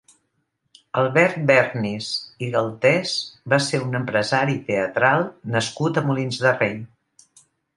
Albert Bernis i Galtés va ser un empresari teatral nascut a Molins de Rei.